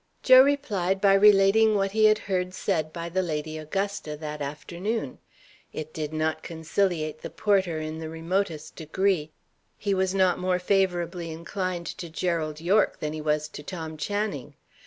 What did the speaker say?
Joe replied by relating what he had heard said by the Lady Augusta that afternoon. It did not conciliate the porter in the remotest degree: he was not more favourably inclined to Gerald Yorke than he was to Tom Channing.